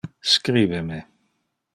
Scribe me.